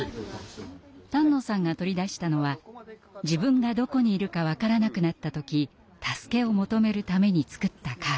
丹野さんが取り出したのは自分がどこにいるか分からなくなった時助けを求めるために作ったカード。